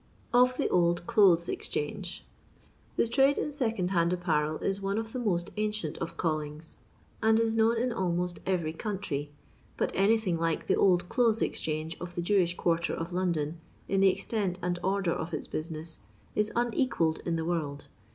Of tuc Old Clotrks Exchakob. Thb trade in second hand apparel is one of the most ancient of callings, and is known in almost every country, but anything like the Old Clothes Exchange of the Jewish quarter of London, in the extent and order of its business, is unequalled in the world.